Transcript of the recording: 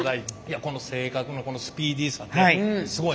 この正確のこのスピーディーさねすごいね。